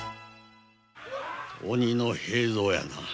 鬼の平蔵やな？